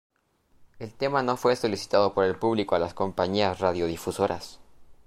El tema no fue solicitado por el público a las compañías radiodifusoras.